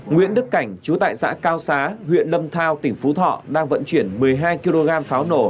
nguyễn đức cảnh chú tại xã cao xá huyện lâm thao tỉnh phú thọ đang vận chuyển một mươi hai kg pháo nổ